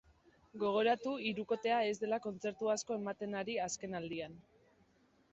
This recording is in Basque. Gogoratu hirukotea ez dela kontzertu asko ematen ari azken aldian.